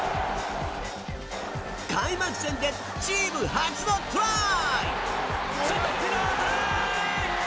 開幕戦でチーム初のトライ！